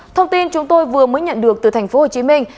thông tin chúng tôi vừa mới nhận được từ thành phố hồ chí minh